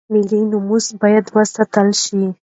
ملي نواميس بايد وساتل شي.